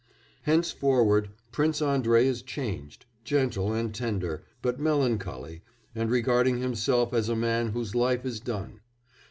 Henceforward Prince Andrei is changed, gentle, and tender, but melancholy, and regarding himself as a man whose life is done.